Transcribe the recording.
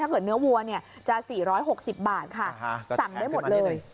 ถ้าเกิดเนื้อวัวเนี่ยจะ๔๖๐บาทค่ะสั่งได้หมดเลย